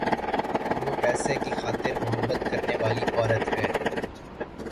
وہ پیسے کی خاطر مُحبت کرنے والی عورت ہے۔`